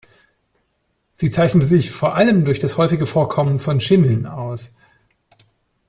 Sie zeichnet sich vor allem durch das häufige Vorkommen von Schimmeln aus.